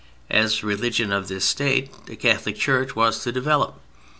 As the religion of this State the Catholic Church was to develop.